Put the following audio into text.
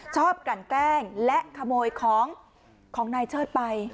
กลั่นแกล้งและขโมยของของนายเชิดไป